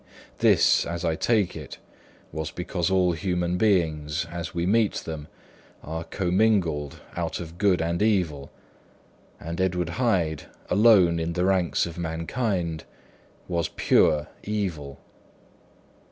This, as I take it, was because all human beings, as we meet them, are commingled out of good and evil: and Edward Hyde, alone in the ranks of mankind, was pure evil.